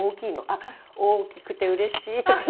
あ大きくてうれしい！とか。